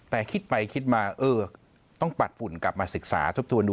แต่คิดไปคิดมาเออต้องปัดฝุ่นกลับมาศึกษาทบทวนดู